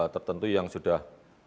tertentu yang sudah